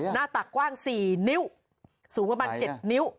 หน้าตักกว้าง๔นิ้วสูงประมาณ๗นิ้ว